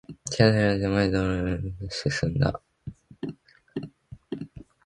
突き当たりの狭い通路の先の中庭を目指して進んだ